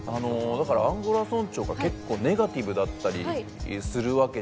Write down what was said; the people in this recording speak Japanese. だからアンゴラ村長が結構ネガティブだったりするわけじゃないですか。